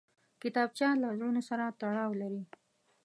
کتابچه له زړونو سره تړاو لري